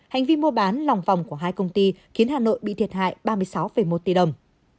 hành vi mua bán lòng vòng của hai công ty khiến hà nội bị thiệt hại ba mươi sáu một tỷ đồng